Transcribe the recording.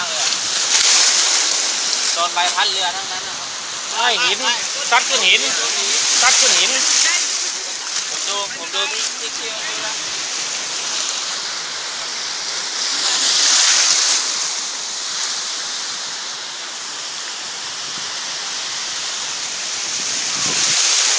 หินซักสิ้นหินผมดูผมดูอีกทีแล้วไงละ